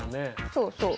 そうそう。